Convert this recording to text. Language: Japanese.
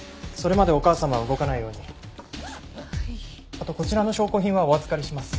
あとこちらの証拠品はお預かりします。